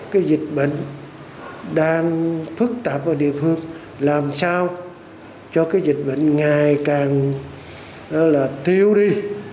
cái dịch bệnh đang phức tạp ở địa phương làm sao cho cái dịch bệnh ngày càng thiếu đi